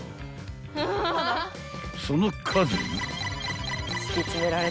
［その数］